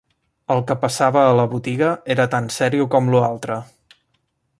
El que passava a la botiga era tan serio com lo altre